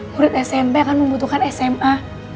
murid smp kan membutuhkan sma